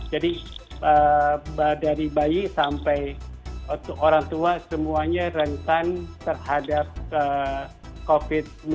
dari bayi sampai orang tua semuanya rentan terhadap covid sembilan belas